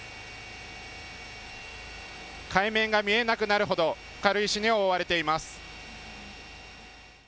海面が見えなくなるほど、軽石に覆われています。